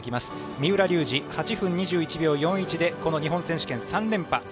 三浦龍司、８分２１秒４１でこの日本選手権、３連覇。